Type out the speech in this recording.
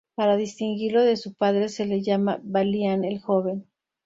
Para distinguirlo de su padre se le llama Balián el Joven.